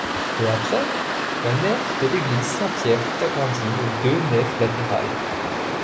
Peu après, la nef de l'église Saint Pierre fut agrandie de deux nefs latérales.